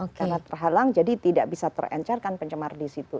karena terhalang jadi tidak bisa terencarkan pencemar di situ